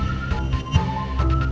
saya akan cerita soal ini